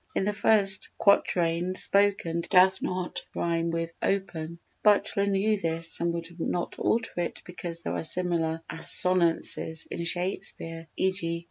In the first quatrain "spoken" does not rhyme with "open"; Butler knew this and would not alter it because there are similar assonances in Shakespeare, _e.g.